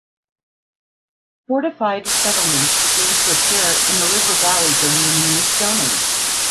Fortified settlements began to appear in the river valley during the New Stone Age.